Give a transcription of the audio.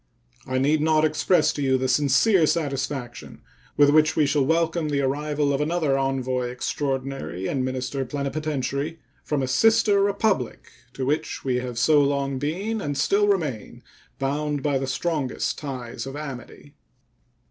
I need not express to you the sincere satisfaction with which we shall welcome the arrival of another envoy extraordinary and minister plenipotentiary from a sister Republic to which we have so long been, and still remain, bound by the strongest ties of amity.